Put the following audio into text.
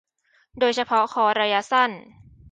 โดยเฉพาะคอร์สระยะสั้น